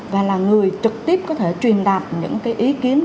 và là người trực tiếp có thể truyền đạt những ý kiến nguyện vọng